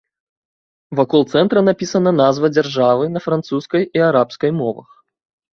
Вакол цэнтра напісана назва дзяржавы на французскай і арабскай мовах.